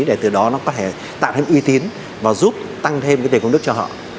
để từ đó nó có thể tạo thêm uy tín và giúp tăng thêm cái tiền công đức cho họ